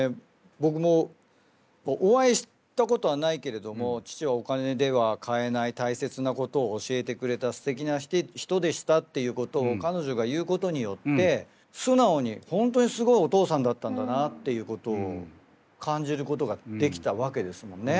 僕もお会いしたことはないけれどもすてきな人でしたっていうことを彼女が言うことによって素直に本当にすごいお父さんだったんだなっていうことを感じることができたわけですもんね。